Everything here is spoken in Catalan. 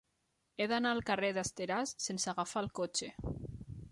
He d'anar al carrer d'Esteràs sense agafar el cotxe.